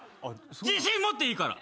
自信持っていいから。